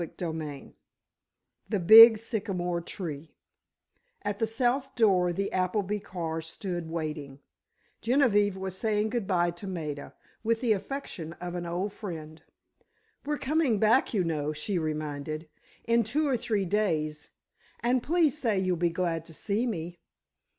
CHAPTER IV THE BIG SYCAMORE TREE At the south door the Appleby car stood waiting. Genevieve was saying good bye to Maida, with the affection of an old friend. "We're coming back, you know," she reminded, "in two or three days, and please say you'll be glad to see me!"